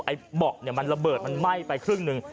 ไอ้บอกมันระเบิดมันไหม้ไปครึ่งหนึ่ง